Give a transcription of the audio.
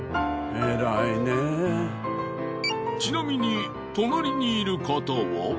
ちなみに隣にいる方は？